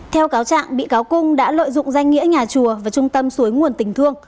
theo cáo trạng bị cáo cung đã lợi dụng danh nghĩa nhà chùa và trung tâm suối nguồn tình thương